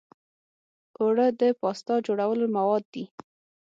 اوړه د پاستا جوړولو مواد دي